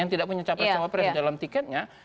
yang tidak punya capres cawapres dalam tiketnya